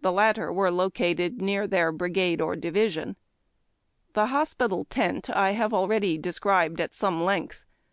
The latter were located near their brigade ""or division. The hospital tent I have already described at some length.